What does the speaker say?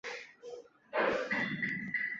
皱波球根鸦葱为菊科鸦葱属的植物。